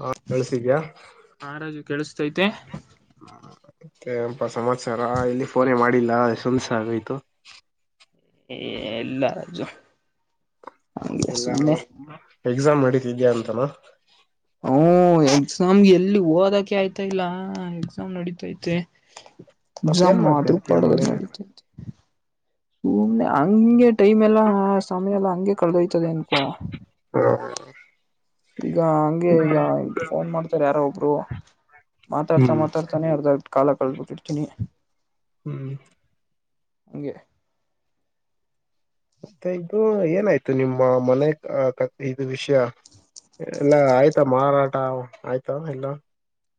ಹಾ ಕೇಳ್ತ್ಸಿದ್ಯ. ಹ ರಾಜು ಕೇಳಿಸತೈತೆ. ಮತ್ತ ಏನಪಾ ಸಮಾಚಾರ ಎಲ್ಲಿ ಫೋನೇ ಮಾಡಿಲ್ಲ ಎಷ್ಟೋ ದಿವ್ಸ ಆಗೋಯ್ತು. ಹೆ ಇಲ್ಲ ರಾಜು. ಹಂಗೆ ಎಲ್ಲಾರಾ ಸುಮ್ನೆ ಎಕ್ಸಾಮ್ ನಡೀತಿದ್ದ್ಯಾ ಅಂತನ. ಹ್ಮ ಎಕ್ಸಾಮ್ಗೆ ಎಲ್ಲಿ ಓದಕೆ ಆಯ್ತಾ ಇಲ್ಲ ಎಕ್ಸಾಮ್ ನಡಿತೈತೆ. ಮತ್ತ ಏನ್ ಎಕ್ಸಾಮ್ ಮಾಡ್ತಾ ಅದ್ರು ಇರ್ತೀಯ ಪಾಡಿಗೆ ಅದು ಮನೇಲಿ ನೆಡಿತೈತೆ. ಸುಮ್ನೆ ಹಂಗೆ ಟೈಮ್ ಎಲ್ಲಾ ಸಮಯ ಎಲ್ಲ ಹಂಗೆ ಕಳೆದೋಯ್ತದೆ ಅನ್ಕೋ. [unintelligible] ಈಗ ಹಂಗೆ ಈಗ ಈಗ ಫೋನ್ ಮಾಡ್ತಾರೆ ಯಾರೋ ಒಬ್ರು. ಮಾತಾಡ್ತಾ ಹ್ಮ್ ಮಾತಾಡ್ತಾನೆ ಅರ್ಧ ಕಾಲ ಕಳದಬಿಟ್ಟಿರ್ಡ್ತೀನಿ. ಹ್ಮ್ ಹಂಗೆ. ಮತ್ತೆ ಇದು ಏನಾಯ್ತು ನಿಮ್ಮ ಮನೆ ಕಥೆ ಇದು ವಿಷ್ಯ. ಎಲ್ಲ ಆಯ್ತಾ ಮಾರಾಟ ಅವು ಆಯ್ತಾ ಎಲ್ಲ.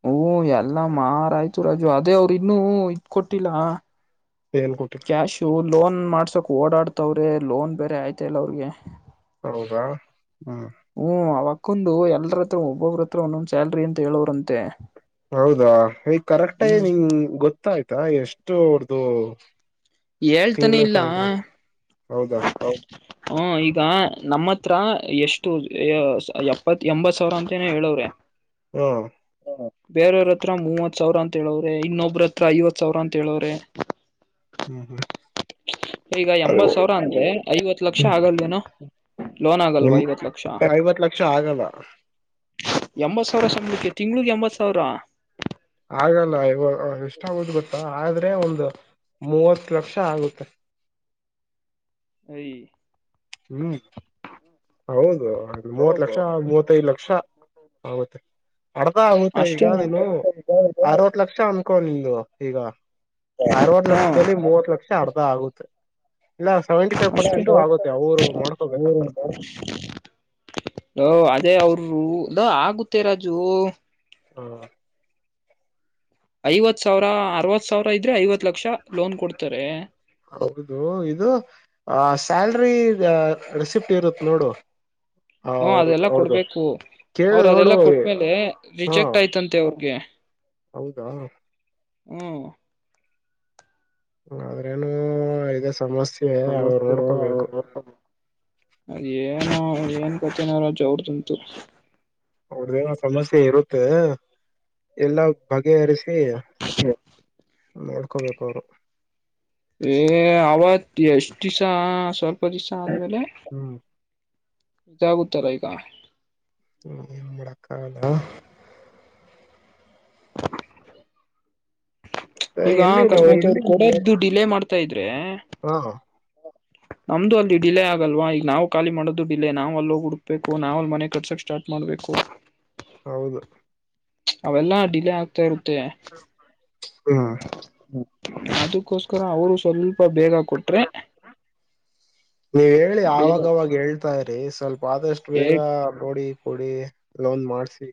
ಹೂ ಎಲ್ಲಾ ಮಾರಯ್ತು ರಾಜು ಅದೇ ಅವ್ರ ಇನ್ನೂ ಇದ್ ಕೊಟ್ಟಿಲ್ಲ. ಏನ್ ಕೊಟ್ಟಿಲ್ಲ. ಕ್ಯಾಶು ಲೋನ್ ಮಾಡ್ಸೋಕ್ ಓಡಾಡ್ತವ್ರೆ ಲೋನ್ ಬೇರೆ ಆಯ್ತ ಇಲ್ಲ ಅವ್ರಿಗೆ. ಹೌದಾ ಹ್ಮ್. ಹ್ಮ ಅವಕ್ಕಂದು ಎಲ್ಲರತ್ರ ಒಬ್ಬೊಬ್ರ ಹತ್ರ ಒಂದೊಂದ್ ಸ್ಯಾಲ್ರಿ ಅಂತ ಹೇಳವ್ರಂತೆ. ಹೌದಾ ಈಗ ಕರೆಕ್ಟೇ ನಿಂಗ ಗೊತ್ತಾಯ್ತಾ ಎಷ್ಟು ಅವರ್ದು. ತಿಂಗಳ ಸಾಲ್ರಿ ಅಂತ ಹೌದಾ. ಹೌದು. ಹ ಈಗ ನಮ್ಮ ಹತ್ರ ಎಷ್ಟು ಎಪ್ಪತ್ ಎಂಬತ್ ಸಾವಿರ ಅಂತನೋ ಹೇಳವ್ರೆ. ಹ್ಮ ಬೇರೆಯವ್ರತ್ರ ಮೂವತ್ ಸಾವಿರ ಅಂತ ಹೇಳವ್ರೆ ಇನ್ನೊಬ್ರ ಹತ್ರ ಐವತ್ ಸಾವಿರ ಅಂತ ಹೇಳವ್ರೆ. ಹ್ಮ್ ಹ್ಮ್ ಈಗ ಎಂಬತ್ ಸಾವಿರ ಅಂದ್ರೆ ಐವತ್ ಲಕ್ಷ ಆಗಲ್ವೇನೊ. ಲೋನ್ ಆಗಲ್ವ ಹ್ಮ್ ಅದು ಐವತ್ ಲಕ್ಷ. ಐವತ್ ಲಕ್ಷ ಆಗಲ್ಲ ಎಂಬತ್ತು ಸಾವಿರ ಸಂಬಳಿಕೆ ತಿಂಗಳಿಗೆ ಎಂಬತ್ತು ಸಾವಿರ. ಆಗಲ್ಲ ಇವ ಎಷ್ಟಾಗುತ್ತೆ ಗೊತ್ತಾ ಆದ್ರೆ ಒಂದು ಮೂವತ್ತು ಲಕ್ಷ ಆಗುತ್ತೆ. ಹೇ ಹ್ಮ್ ಹೌದು ಅದು ಮೂವತ ಹೌದು ಲಕ್ಷ ಮೂವತ್ತೈದು ಲಕ್ಷ ಆಗುತ್ತೆ ಅರ್ದ ಆಗುತ್ತೆ ಈಗ ಅಷ್ಟೇನಾ ನೀನು ಅರವತ್ತುಲಕ್ಷ ಅನ್ಕೋ ನಿಂದು ಈಗ ಅರವತ್ತು ಹಾ ಲಕ್ಷದಲ್ಲಿ ಮೂವತ್ತು ಲಕ್ಷ ಅರ್ಧ ಆಗುತ್ತೆ ಇಲ್ಲ ಸೆವೆಂಟಿಫೈವ್ ಪರ್ಸೆಂಟ್ ಆಗುತ್ತೆ ಅವ್ರು ನೋಡ್ಕೋಬೇಕು ಆತರ [inaudible] ಲೋ ಅದೇ ಅವರು ಲೋ ಆಗುತ್ತೆ ರಾಜು ಹ್ಮ ಐವತ್ತು ಸಾವಿರ ಅರವತ್ತು ಸಾವಿರ ಇದ್ರೆ ಐವತ್ತು ಲಕ್ಷ ಲೋನ್ ಕೊಡ್ತಾರೆ. ಹೌದು ಇದು ಆ ಸ್ಯಾಲ್ರಿ ರೀಸಿಪ್ಟ ಇರುತ್ತೆ ನೋಡು. ಹ್ಮ ಅವ್ರ ಅದೆಲ್ಲಾ ಅವ್ರ್ದು ಕೊಡ್ಬೇಕು. ಕೇಳ ಅವ್ರ ಅದೆಲ್ಲ ನೋಡು ಕೊಟ್ಟ್ಮೇಲೆ ಹಾ ರಿಜೆಕ್ಟ ಆಯ್ತಂತೆ ಅವ್ರಿಗೆ ಹೌದಾ ಹ್ಮ ಆದ್ರೇನು ಇದೇ ಸಮಸ್ಯೆ ಅವ್ರು ಸಮಸ್ಯೆ ನೋಡ್ಕೋಬೇಕು. ಅವ್ರ ಏನೋ ಅದೇನು ಕಥೇನೋ ರಾಜು ಅವರದಂತು ಅವ್ರ್ದನೋ ಸಮಸ್ಯೆ ಇರುತ್ತೆ ಎಲ್ಲ ಬಗೆಹರಿಸಿ. ನೋಡ್ಕೊಬೇಕು ಅವರು. ಏ ಅವತ ಎಷ್ಟು ದಿವಸ ಸ್ವಲ್ಪ ಪರೀಕ್ಷ ಆದ್ಮೇಲೆ ಹ್ಮ್ ಇದಾಗುತ್ತಲ ಈಗ. ಹೌದ ಈಗ ಎಲ್ಲಿ ನಾವ್ ಆಕಸ್ಮಾತ ಎಲ್ಲಿ ಅವ ಕೊಡೋದು ಡಿಲೇ ಮಾಡ್ತಾ ಇದ್ರೆ. ಹಾ ನಮ್ದು ಅಲ್ಲಿ ಡಿಲೇ ಆಗಲ್ವಾ ಈಗ ನಾವು ಖಾಲಿ ಮಾಡೋದು ಡಿಲೇ ನಾವ್ ಅಲ್ಲಿ ಹುಡುಕ್ಬೇಕು ನಾವ್ ಅಲ್ಲಿ ಮನೆ ಕನ್ಸ್ಟ್ರಕ್ಷನ್ ಸ್ಟಾರ್ಟ್ ಮಾಡಬೇಕು. ಹೌದು ಅವೆಲ್ಲಾ ಡಿಲೇ ಆಗ್ತಾ ಇರುತ್ತೆ. ಹ್ಮ ಅದಕ್ಕೋಸ್ಕರ ಅವರು ಸ್ವಲ್ಪ ಬೇಗ ಕೊಟ್ರೆ. ನೀವ್ ಹೇಳಿ ಬೇಗ ಆವಾಗವಾಗ ಹೇಳ್ತಾ ಇರಿ ಸ್ವಲ್ಪ ಆದಷ್ಟು ಏ ಬೇಗ ನೋಡಿ ಕೊಡಿ. ಲೋನ್ ಮಾಡ್ಸಿ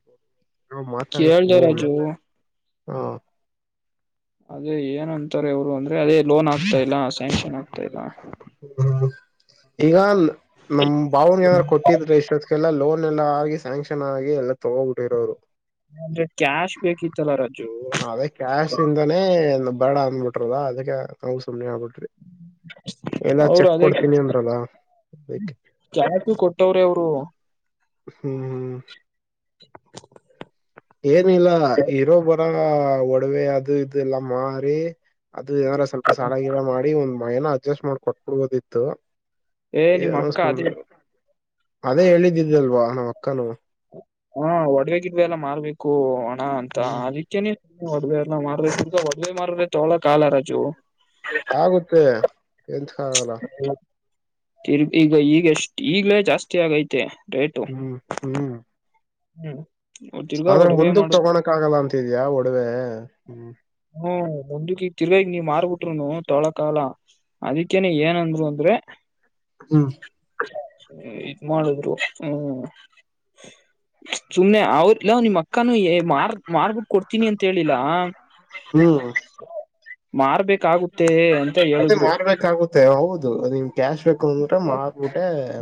ಮಾತಾಡ್ರಿ ಕೇಳ್ದ ನೀವುನು ರಾಜು ಹಾ. ಅದೇ ಏನಂತಾರೆ ಅವರು ಅಂದ್ರೆ ಅದೇ ಲೋನ್ ಆಗ್ತಾ ಇಲ್ಲ ಸ್ಯಾಂಕ್ಷನ್ ಆಗ್ತಾ ಇಲ್ಲ. ಹ್ಮ ಈಗ ನಮ್ಮ ಬಾವನಗೆ ಏನಾರು ಕೊಟ್ಟಿದ್ರೆ ಇಷ್ಟೊತ್ಕಲ್ಲ ಲೋನ್ ಎಲ್ಲ ಆಗಿ ಸ್ಯಾಂಕ್ಷನ್ ಆಗಿ ಎಲ್ಲ ತಗೋಬಿಟ್ಟಿರೋರು. ಅಂದ್ರೆ ಕ್ಯಾಶ್ ಬೇಕಿತ್ತು. ತಲ್ಲ ರಾಜು ಅದೇ ಕ್ಯಾಶ್ ಇಂದಾನೇ ಬೇಡ ಅಂದಬಿಟ್ಟರು ಅದಕ್ಕೆ ನಾವು ಸುಮ್ಮನೆ ಆಗ್ಬಿಟ್ರಿ. ಎಲ್ಲ ಅವರು ಚೆಕ ಅದೇ ಕೊಡ್ತೀನಿ ಅಂದ್ರಲ್ಲ ಅದಿಕ್ಕೆ ಕ್ಯಾಶ್ ಕೊಟ್ಟವ್ರೇ ಅವರು ಹ್ಮ್ ಹ್ಮ್ [inaudible] ಏನಿಲ್ಲ ಇರೋಬ್ಬರ ಒಡವೆ ಅದು ಇದು ಎಲ್ಲಾ ಮಾರಿ ಅದು ಏನಾರ ಸ್ವಲ್ಪ ಸಾಲ ಗೀಲ ಮಾಡಿ ಒಂದ್ ಏನ ಅಡ್ಜಸ್ಟ್ ಮಾಡ ಕೊಟ್ಬಿಡ್ಬೋದಿತ್ತು. ಏ ನಿಮ್ ನು ಅಕ್ಕ ಸು ಅದೇ ಅದೇ ಹೇಳಿದ್ದಿದ್ದಲ್ವಾ ಹಾ ಅಕ್ಕನು. ಹಾ ಒಡವೆ ಗಿಡವೆ ಎಲ್ಲ ಮಾರ್ಬೇಕು ಹಣ ಅಂತ ಹ್ಮ್ ಅದಕ್ಕೆನೆ. ಒಡವೆ ಎಲ್ಲ ಮಾರಾದ್ರೆ ಒಡವೆ ಮಾರದ್ರೆ ತೊಗೊಳಕ ಆಗಲ ರಾಜು. ಆಗುತ್ತೆ ಏಂತಕಾಗಲ್ಲ. ತಿರ್ಗಿ ಈಗ ಈಗೆಷ್ಟ್ ಈಗ್ಲೇ ಜಾಸ್ತಿ ಆಗೈತೆ ರೇಟ್ ಹ್ಮ ಹ್ಮ್ ಹ್ಮ್ ತಿರ್ಗಾ ಅಂದ್ರೆ ಒಡವೆ ಮುಂದಕ್ ಮಾಡುದು ತಗೋಣಕ್ ಆಗಲ್ಲ ಅಂತಿದ್ಯಾ ಒಡವೆ ಹ್ಮ. ಹ್ಮ ಮುಂದಕ್ಕ್ ಈಗ್ ತಿರ್ಗ ಈಗ್ ನೀ ಮಾರ್ಬಿಟ್ರುನು ತೊಳಕಾಲ. ಅದಕ್ಕೇನೆ ಏನಂದ್ರು ಅಂದ್ರೆ ಹ್ಮ್ ಇದ್ ಮಾಡುದ್ರು ಹ್ಮ್. [inaudible] ಸುಮ್ನೆ ಅವ್ರಲ್ಲ ನಿಮ್ಮ್ ಅಕ್ಕನು ಮಾರ್ ಮಾರ್ಬಿಟ್ಟು ಕೊಡ್ತೀನಿ ಅಂತ ಹೇಳಿಲ್ಲಾ. ಹ್ಮ್ ಮಾರ್ಬೇಕಾಗುತ್ತೆ ಅಂತ ಹೇಳುದ್ರು. ತ್ತೆ ಹೌದು ನಿಮ್ ಕ್ಯಾಶ್ ಬೇಕು ಅಂದ್ರೆ ಮಾರ್ಬಟ್ಟ ಎ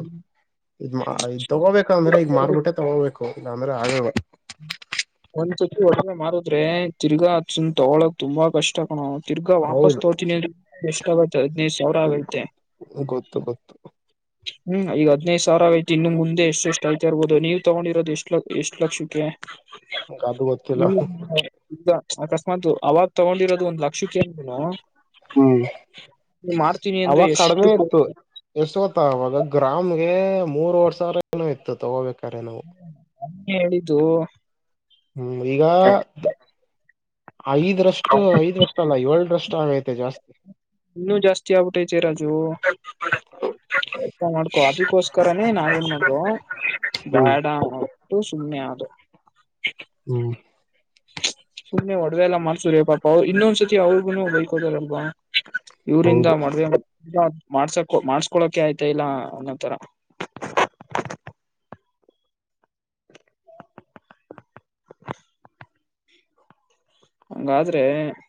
ಇದ್ ಮ ಇದ್ ತಗೋಬೇಕ ಅಂದ್ರೆ ಈಗ ಮಾರ್ಬುಟ್ಟೆ ತಗೋಬೇಕು ಇಲ್ಲಾಂದ್ರೆ ಆಗಲ್ಲ. ಒಂದ್ಸತಿ ಒಡವೆ ಮಾರುದ್ರೆ ತಿರ್ಗಾಸನ್ ತೊಗೊಳಕ್ ತುಂಬಾ ಕಷ್ಟ ಕಣೋ. ತಿರ್ಗಾ ವಾಪಸ್ ಹೌದು ತೋತೀನಿ ಅಂದ ಎಷ್ಟ ಆಗೈತ ಹದ್ನೈದು ಸಾವಿರ ಆಗೈತೆ. ಗೊತ್ತು ಗೊತ್ತು ಹ್ಮ್ ಈಗ ಹದ್ನೈದು ಸಾವಿರ ಆಗೈತೆ ಇನ್ನು ಮುಂದೆ ಎಷ್ಟುಷ್ಟ ಯತಾ ಇರ್ಬೋದು ನೀವ್ ತಗೊಂಡಿರೋದು ಎಷ್ಟ್ ಲ ಎಷ್ಟ್ ಲಕ್ಷಕ್ಕೆ. ಅದು ಗೊತ್ತಿಲ್ಲ ಈಗ ಅಕಸ್ಮಾತ್ ಅವಾಗ ತಗೊಂಡಿರೋದು ಒಂದ್ ಲಕ್ಷಕ್ಕೇ ಅನ್ನೂ ಹ್ಮ್ ನೀ ಮಾಡ್ತೀನಿ ಅಂದ್ರೆ ಎಷ್ಟು ಕೊಡ್ ಯಸ್ವತ್ತ ಅವಾಗ ಗ್ರಾಮ್ಗೆ ಮೂರ್ವರ ಸಾವರ ಏನೋ ಇತ್ತು ತಗೋಬೇಕಾರೆ ನಾವು. ನೆ ಹೇಳಿದ್ದು. ಹ್ಮ್ ಈಗ ದ ಐದರಷ್ಟು ಐದರಷ್ಟ ಅಲ್ಲ ಏಳರಷ್ಟು ಆಗೈ ಇನ್ನೂ ಜಾಸ್ತಿ ಆಬುಟೈತೆ ರಾಜು. ಎ ಮಾಡಕೋ ಅದಕ್ಕೋಸ್ಕರನೇ ನಾವೇನ್ ಮಾಡದೋ ಹ್ಮ್ ಬ್ಯಾಡ ಟೂ ಸುಮ್ಮನೆ ಆದೆ. ಹ್ಮ್ ಸುಮ್ಮ್ನೆ ಒಡವೆಲ್ಲ ಮಾಡ್ಸುರೆ ಪಾಪ ಅವ ಇನ್ನೊಂದ್ಸತಿ ಅವ್ರಿಗುನು ಬೈಕೋತಾರಬ್ಬಾ. ಇವ್ರಿಂದ ಹೌದು ಮಾಡ ಮಾಡ್ಸಕು ಮಾಡ್ಸ್ಕೊಳಕೆ ಆಯ್ತಾ ಇಲ್ಲ ಅನ್ನೋ ತರ. ಹಂಗಾದ್ರೆ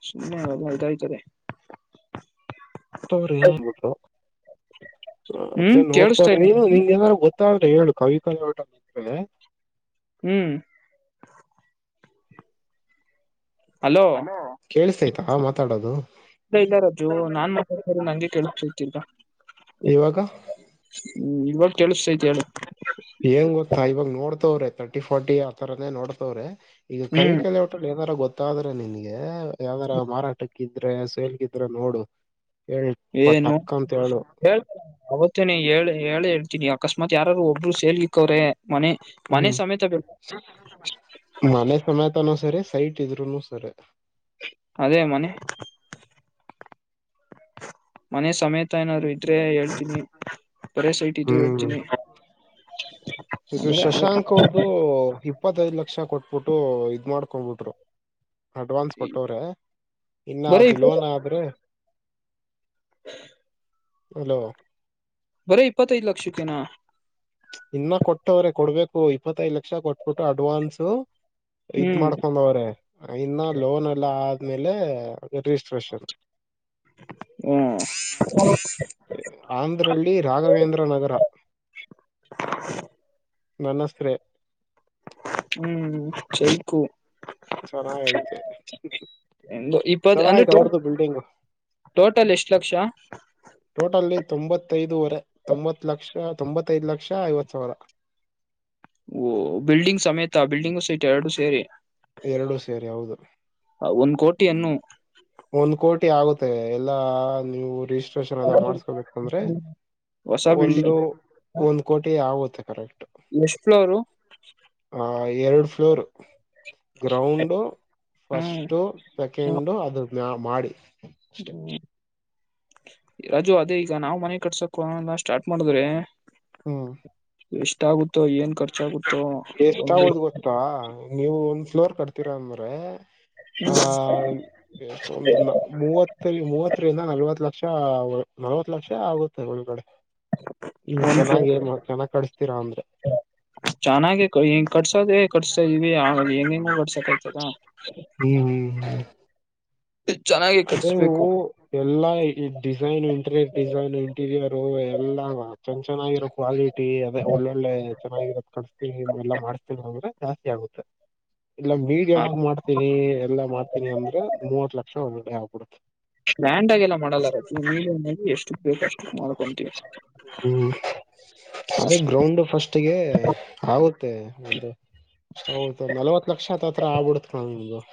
ಸುಮ್ಮನೆದಾಯತದೆ. ತಾವರೆ [unintelligible] ಅದೇ ಹ್ಮ್ ನೋಡ್ತಾರ ಕೇಳಿಸ್ತಾ ಇಲ್ಲ ನೀನು ನಿಂಗೆ ಏನರ ಗೊತ್ತ ತ್ತಾದ್ರೆ ಹೇಳು ಕವಿ ಕವಿ [unintelligible] ಹ್ಮ್ ಹಲೋ ಕೇಳಸ್ತೈತಾ ಮಾತಾಡದು. ಇ ಇಲ್ಲಾ ರಾಜೂ ನಾನ್ ಮಾತಾಡ್ತ ಇರೋದ್ ನಂಗೆ ಕೇಳ್ಸತೈತ್ ತಿರಗ. ಇವಾಗ ಹ್ಮ್ ಇವಾಗ ಕೆೇಳಸ್ತೈತೇಳು. ಏಂಗ ಗೊತ್ತಾ ಇವಾಗ ನೋಡ್ತವ್ರೆ ತರ್ಟಿ ಫೋರಟಿ ಆತರಾನೇ ನೋಡ್ತವ್ರೆ. ಈಗ ಕವಿ ಹ್ಮ್ ಕಲೆ ಹೊಟ್ಟ ಏನಾರ ಗೊ ಗೊತ್ತಾದ್ರೆ ನಿನ್ಗೆ, ಯಾವುದಾದರೂ, ಮಾರಾಟಕ್ಕಿದ್ರೆ! ಸೇಲ್ಗಿದ್ರೆ ನೋಡು? [inaudible] ಹೇ, ಪಾ, ಟಕ್ ಅಂತ ಹೇಳು? [unintelligible] ಹೇ ಅವತ್ತು ನೀ ಹೇಳಿ, ಹೇಳಿ, ಹೇಳ್ತೀನಿ! ಅಕಸ್ಮಾತ್! ಯಾರಾರು, ಒಬ್ರು, ಸೇಲ್ ಇಕ್ಕವ್ರೆ ಮನೆ? [unintelligible] ಹ್ಮ್, ಸಮೇತ ಬೇಕು ಮನೆ ಸಮೇತನೂ ಸರಿ ಸೈಟ್ ಇದ್ರುನು ಸರಿ. [unintelligible] ಅದೇ, ಮನೆ. [inaudible] ಮನೆ, ಸಮೇತ ಏನಾದ್ರು ಇದ್ರೆ! ಹೇಳ್ತೀನಿ, ಬರೆ ಸೈಟ್, ಇದ್ರು ಹ್ಮ್ ಹೇಳ್ತೀನಿ? [unintelligible] [unintelligible] [inaudible] ಇದು, ಶಶಾಂಕ್ ಅವ್ರ್ದು! ಇಪ್ಪತ್ತೈದ್, ಲಕ್ಷ ಕೊಟ್ಬಿಟ್ಟು, ಇದ್ ಮಾಡ್ಕೊಂಡ್ಬಿಟ್ರು? [inaudible] ಅಡ್ವಾನ್ಸ್, ಕೊಟ್ಟವ್ರೆ! ಇನ್ನ, ಬರೀ ಅದು, ಇಪ್ಪ ಲೋನ್ ಆದ್ರೆ? [inaudible] [unintelligible] [inaudible] ಅಲ್ಲೋ? [inaudible] ಬಾರಿ, ಇಪ್ಪತ್ತೈದು ಲಕ್ಷಕ್ಕೆನಾ? [inaudible] ಇನ್ನ, ಕೊಟ್ಟವ್ರೆ ಕೊಡ್ಬೇಕು! ಇಪ್ಪತ್ತುಯೈಧು ಲಕ್ಷ ಲಕ್ಷ, ಕೊಟ್ಬಿಟ್ಟು ಅಡ್ವಾನ್ಸ. [inaudible] ಇದ್, ಹ್ಮ್ ಮಾಡ್ಕೊಂಡವ್ರೆ! ಇನ್ನ, ಲೋನ್ ಎಲ್ಲಾ ಆದ್ಮೇಲೆ, ರಿಜಿಸ್ಟ್ರೇಷನ್? [inaudible] ಹೂ. [unintelligible] ಆಂಧ್ರಳ್ಳಿ, ರಾಘವೇಂದ್ರ ನಗರ. [unintelligible] ನಾನುಸೆರೈ. [unintelligible] ಹ್ಮ್, ಚೈಕು. [inaudible] ಚೆನ್ನಾಗೆ ಐತೆ? [unintelligible] ಅಂದ್ರೆ, ಈ, ಪೇಜ್, ಅಂದ್ರೆ, ಟೋಟಲ್ ಎಷ್ಟು ಲಕ್ಷ? [unintelligible] ಟೋಟಲ್, ತೊಂಬತ್ತೈದುವರೆ, ತೊಂಬತ್ ಲಕ್ಷ ತೊಂಬತ್ತೈದು, ಲಕ್ಷ, ಐವತ್ ಸಾವಿರ? [inaudible] ಓಹ, ಬಿಲ್ಡಿಂಗ್ ಸಮೇತ, ಬಿಲ್ಡಿಂಗ್ ಸೈಟು ಎರಡು, ಸೇರಿ? [inaudible] ಎರಡು, ಸೇರಿ ಹೌದು? [inaudible] ಒಂದ್, ಕೋಟಿಯನ್ನು! [inaudible] ಒಂದ್, ಕೋಟಿ ಆಗುತ್ತೆ? ಎಲ್ಲಾ ನೀವು ರಿಜಿಸ್ಟ್ರೇಷನ್, ಎಲ್ಲ ಮಾಡಸ್ಕೊಬೇಕು, ಅಂದ್ರೆ. ಹೊಸ [inaudible] ಒಂದು, ಬಿಲ್ಡಿಂಗ್ ಒಂದು, ಕೋಟಿ, ಆಗುತ್ತೆ ಕರೆಕ್ಟ್? [inaudible] ಎಷ್ಟ್ ಫ್ಲೋರು ಹ, ಎರಡು ಫ್ಲೋರ್. [inaudible] ಗ್ರೌಂಡು, ಹ್ಮ್ ಫಸ್ಟ್, ಸೆಕೆಂಡು, ಅದು, ಮ, ಮಾಡಿ. [inaudible] ಹ್ಮ್, ರಾಜು ಅದೇ ಈಗ ನಾವು ಮನೆ ಕಟ್ಸಕ್ಕೆ, ಒಂದೊಂದಾಗಿ, ಸ್ಟಾರ್ಟ್ ಮಾಡಿದರೆ. [inaudible] ಹೂ. [inaudible] ಎಷ್ಟಾಗುತ್ತೋ, ಏನ್ ಖರ್ಚಾಗುತ್ತೋಂದು? [unintelligible] ಹೌದ, ನೀವು, ಒಂದು, ಫ್ಲೋರ್ ಕಟ್ತೀರಾ! ಅಂದ್ರೆ ಆ. ಹ್ಮ್ [inaudible] ಎಷ್ಟು, ಒಂದು, ಮೂವತ್ತಲಿ, ಮೂವತ್ತರಿಂದ ನಲ್ವತ್ ಲಕ್ಷ ನಲ್ವತ್ ಲಕ್ಷ ಆಗುತ್ತೆ ಒಳಗಡೆ? [inaudible] ಹೂ, ಒಂದ್ ಫ್ಲೋ ಚೆನ್ನಾಗಿ, ಚೆನ್ನಾಗಿ, ಕಟ್ಟಿಸುತ್ತೀರಾ, ಅಂದ್ರೆ. [inaudible] ಚೆನ್ನಾಗಿ ಕಟಸ್ತಾಯಿದೀವಿ, ಹೆಂಗುಹೆಂಗೊ ಕೊಡ್ಸಕಾಗುತ್ತಾ? [inaudible] ಹ್ಮ್, ಹ್ಮ್, ಹ್ಮ್. [unintelligible] ಚೆನ್ನಾಗಿ. [unintelligible] ಆದರೆ ನೀವು ಎಲ್ಲಾ, design interior design, interior. [inaudible] Room ಎಲ್ಲ ಅಟ್ಯಾಕ್ಷನ್, ಆಗಿ, ಇರಕ್ಕಾಗಿ. [inaudible] ಅಟ್ಟಿ, ಅದೇ ಒಳ್ಳೊಳ್ಳೆ! ಚೆನ್ನಾಗಿರೋದು, ಕಟ್ಟಿಸ್ತೀವಿ, ಎಲ್ಲಾ, ಮಾಡಿಸ್ತೀವಿ, ಅಂದ್ರೆ ಜಾಸ್ತಿ ಆಗುತ್ತೆ? [inaudible] ಇಲ್ಲ ಮೀಡಿಯ್ ಆಗೀ, ಮಾಡ್ತೀನಿ ಎಲ್ಲಾ ಮಾಡ್ತೀನಿ! ಅಂದ್ರೆ ಮೂವತ್ ಲಕ್ಷ ಒಳಗಡೆ, ಹಾಗಿಬಿಡುತೇ. [inaudible] ಗ್ರಾಂಡ್ ಆಗಿ ಎಲ್ಲಾ, ಮಾಡಲ್ಲ ರಾಜು ಮೀಡಿಯಂ ಆಗಿ, ಎಷ್ಟು ಬೇಕಷ್ಟು, ಮಾಡ್ಕೊಂತೀವಿ ಅಷ್ಟೇ? [inaudible] ಹ್ಮ್ ಅದೇ, ಗ್ರೌಂಡ್ ಫಸ್ಟ್ಗೆ. [inaudible] ಆಗುತ್ತೆ ಒಂದು, ನಲ್ವತ್ ಲಕ್ಷ, ಅತ್ತು, ಹತ್ರ ಆಗ್ಬಿಡುತ್ತೆ, ಒಂದು... [inaudible]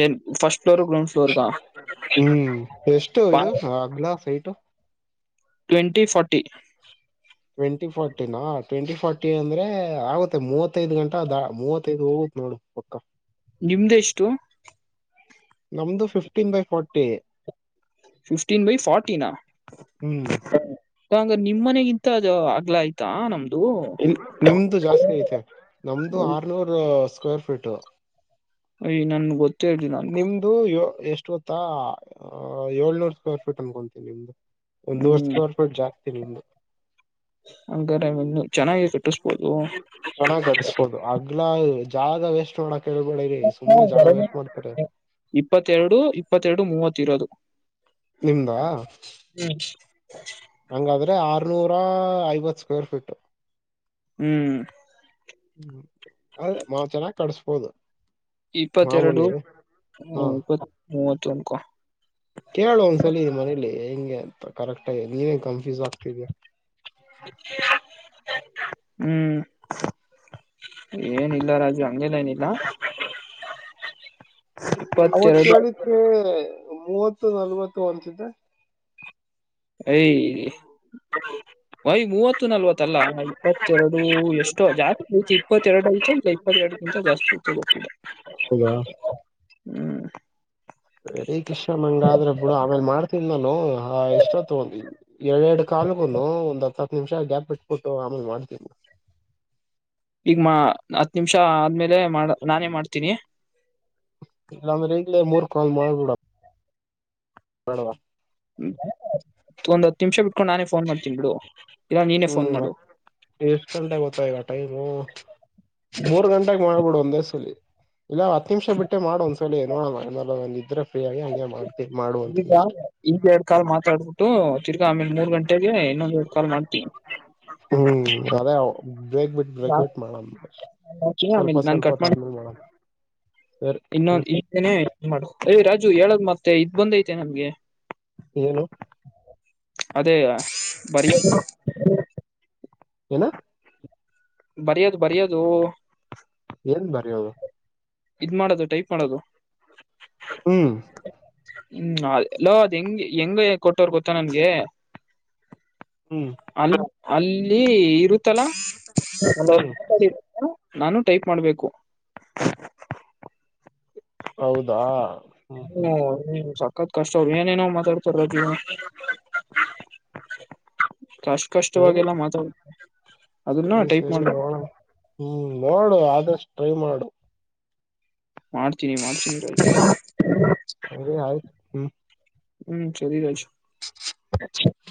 ಏನ್, ಫಸ್ಟ್ ಫ್ಲೋರ್, ಗ್ರೌಂಡ್, ಫ್ಲೋರಗ. [inaudible] ಹ ಆಗಲ ಸೈಟ. Twenty forty. ಟ್ವೆಂಟಿ ಫಾರ್ಟಿನಾ ಟ್ವೆಂಟಿ ಫಾರ್ಟಿ ಅಂದ್ರೆ ಆಗುತ್ತೆ ಮೂವತ್ತೈದು ಗಂಟಾ ದ ಮೂವೈ ಹೋಗುತ್ತ. ನೋಡು ಒಕ್ಕಾ. ನಿಮ್ದ ಎಷ್ಟು. ನಮ್ದು fifteen by forty. Fifteen by forty. ಹ್ಮ್ ಹಂಗ ನಿಮ್ಮ ಮನೆಗಿಂತ ಅದು ಆಗ್ಲ ಆಯ್ತಾ ನಮ್ದು. ಇಲ್ ನಿಮ್ದು ಜಾಸ್ತಿ ಐತೆ ನಮ್ದು ಆರ್ನೂರು ಸ್ಕ್ವೇರ್ ಫೀಟ್. ಅಯ್ ನನ್ ಗೊತ್ತ. ನಿಮ್ದು ಯೂ ಎಷ್ಟು ಗೊತ್ತಾ ಏಳ್ನೂರ್ ಸ್ಕ್ವೇರ್ ಫೀಟ್ ಅನ್ಕೊಂತೀನಿ ನಿಮ್ದು. ಒಂದ ನೂರ್ ಹ್ಮ್ ಸ್ಕವರ್ ಫುಟ್ ಜಾಸ್ತಿ ನಿಮ್ಮದು. ಹಂಗಾರೆನ್ನು ಚೆನ್ನಾಗಿ ಕಟ್ಟಿಸಬೋದು. ಚೆನ್ನಾಗ ಕಟ್ಸಬೋದು ಅಗ್ಲ ಜಾಗ ವೇಸ್ಟ್ ಮಾಡಕ್ ಹೇಳ್ಬೇಡರಿ ಸುಮ್ನೆ ಜಾಗ ವೇಸ್ಟ್ ಮಾಡ್ತಾರೆ. ಇಪ್ಪತ್ತೆರಡು ಇಪ್ಪತ್ತೆರಡು ಮೂವತ್ತ ಇರೋದು. ನಿಮ್ಮದಾ. ಹು ಹಂಗಾದ್ರೆ ಆರ್ನೂರಾ ಐವತ್ ಸ್ಕ್ವೇರ್ ಫೀಟ್. ಹು ಹು ಅಲ್ಲೆ ನಾವು ಚೆನ್ನಾಗಿ ಕಡಸ್ಬೋದು. ಇಪ್ಪತ್ತೆರಡು ಹ ಹಾ ಇಪ್ಪತ್ ಮೂವತ್ತು ಅನ್ಕೋ. ಕೇಳು ಒಂದ್ಸಲಿ ಮನೇಲಿ ಹೆಂಗೆ ಅಂತ ಕರೆಕ್ಟ್ ಆಗ ನೀನ್ ಕನ್ಫ್ಯೂಸ್ ಆಗ್ತಿದಯಾ. ಹು ಏನಿಲ್ಲ ರಾಜು ಹಂಗೆನೆಲ್ಲಾ ಏನಿಲ್ಲ. ಅವತ್ ಇಪ್ಪತ್ತೆರಡು ಹೇಳಿದೆ ಮೂವತ್ತು ನಲ್ವತ್ತು ತೊಗೊಂತ್ತಿದ್ದೆ. ಐ ಭೈ ಮೂತ್ತು ಇತ್ತು ನಲ್ವತ್ತಲ್ಲ ಇಪ್ಪತ್ತೆರಡು ಎಷ್ಟೋ ಜಾಸ್ತಿ ರಐತಿ ಇಪ್ಪತ್ತೆರಡು ಐತ ಇ ಇಪ್ಪತ್ತೆರಡುಕ್ಕಿಂತ ಜಾಸ್ತಿ. ತಗೋಂತಿದ್ದೆ. ಹೌದಾ. ಹು. ರೆಡಿ ಕಿಶ್ ಹಂಗ ಆದ್ರೆ ಬಿಡು ಆಮೇಲ್ ಮಾಡ್ತನ್ ನಾನು ಆ ಇಷ್ಟೊ ತಗೊಂಡಿ. ಎರಡ್ ಎರಡು ಕಾಲುಗುನು ಒಂದ ಹತ್ತು ನಿಮಿಷ ಗ್ಯಾಪ್ ಬಿಟ್ಟಟ್ಬಿಟ್ಟು ಆಮೇಲೆ ಮಾಡತೀ. ಈಗ ಮಾ ಹತ್ತ ನಿಮಿಷ ಆದ್ಮೇಲೆ ಮಾಡ ನಾನೇ ಮಾಡ್ತೀನಿ. ಇಲ್ಲಾಂದ್ರೆ ಈಗ್ಲೇ ಮೂರ್ ಕಾಲ್ ಮಾಡ್ಬಿಡ. ಬೇಡವ್ವಾ. ಒಂದ ನಿಮಿಷ ಬಿಟ್ಕೊಂಡು ನಾನೇ ಫೋನ್ ಮಾಡ್ತೀನ್ ಬಿಡು ಇಲ್ಲ ನೀನೇ ಹು ಫೋನ್ ಮಾಡು ಮತ್ತ ಎಷ್ಟು ಗಂಟೆ ಗೊತ್ತಾ ಈಗ ಟೈಮು ಮೂರ್ ಗಂಟ ಗಂಟೆಗೆ ಮಾಡ್ಬಿಡ ಒಂದೇ ಸಲಿ ಇಲ್ಲ ಹತ್ತು ನಿಮಿಷ ಬಿಟ್ಟ ಮಾಡೋ ಒಂದ್. ತಡಿ ನೋಡನ ಏನರ ಇದ್ರೆ ಫ್ರೀ ಆಗಿ ಮಾಡ ಈಗ ಈಗ ಎರಡ್ ಕಾಲ್ ಮಾತಾಡ್ಬಿಟ್ಟು ತಿರ್ಗಾ ಆಮೇಲೆ ಮೂರ್ ಗಂಟೆಗೆ ಇನ್ನೊಂದ ಎರಡ್ ಕಾಲ್ ಮಾಡ್ತಿ. ಹು ಅದೇಅವು. ಬ್ರೇಕ್ ಬಿಟ್ಟ ಬ್ರೇಕ್ ಬಿಟ್ಟು ಮಾಡಣ ಸ್ವಲ್ಪ ಆಮೇಲೆ ನಾನ್ ಸ್ವಲ್ಪಾದ್ಮೇಲೆ ಮಾಡಣ. ಸರಿ ಇನ್ನೊಂದ ಹ್ಮ್ ಇದನ್ನೇ ಮಾಡದು ಯ ರಾಜು ಹೇಳದ್ ಮತ್ತೆ ಇದ್ ಬಂದ ಐತೆ ನಮ್ಗೆ ಏನು ಅದೇ ಬರಿಯದು. ಏನು ಬರಿಯೋದು ಬರಿಯೋದು ಏನ್ ಬರಿಯೋದು ಇ ಮಾಡೋದು ಟೈಪ್ ಮಾಡೋದು ಹ್ಮ್ ಹ್ಮ್ ಅಲೋ ಅದ್ ಹೆಂಗ ಹೆಂಗ ಕೊಟ್ಟೋರು ಗೊತ್ತಾ ನನ್ಗೆ ಹ್ಮ್ ಅಲ್ಲಿ ಅಲ್ಲಿ ಇರುತ್ತಲಾ [unintelligible] ಹ್ಮ್ ಹಲೋ ನಾನು ಟೈಪ್ ಮಾಡ್ಬೇಕು ಹೌದಾ ಹ್ಮ ಹ್ಮ [unintelligible] ಸಕತ್ ಕಷ್ಟ ಅವಿ ಏನೇನೋ ಅವ್ ಮಾತಾಡ್ತಾರು [unintelligible] ಕಷ್ಟ ಸರಿ ಕಷ್ಟವಾಗಿಲ್ಲಾ ಮಾತಾಡ ಅದನ್ನ ಸರಿ ಟೈಪ್ ಸರಿ ಮಾಡಬೇಕ ನೋಡಣ ಹ್ಮ್ ನೋಡು ಆದಷ್ಟು ಟ್ರೈ ಮಾಡು ಮಾಡ್ತೀನಿ ಮಾಡ್ತೀನಿ ಸರಿ [unintelligible] ಆಯ್ತು ಹ್ಮ್ ಹ್ಮ್ ಸರಿ [unintelligible]